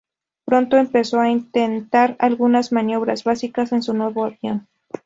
Pronto empezó a intentar algunas maniobras básicas en su nuevo avión.